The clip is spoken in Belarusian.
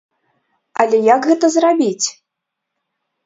Але як гэта зрабіць?